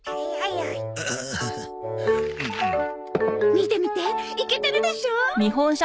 見て見てイケてるでしょ？